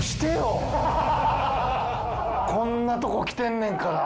こんなとこ来てんねんから。